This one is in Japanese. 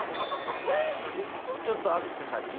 ちょっとアクセサリー？